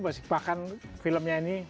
bahkan filmnya ini